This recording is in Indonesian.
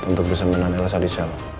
untuk persembahan el salih salah